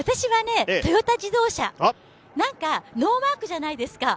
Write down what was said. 私はトヨタ自動車、なんかノーマークじゃないですか。